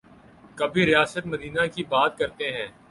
کبھی ریاست مدینہ کی بات کرتے ہیں۔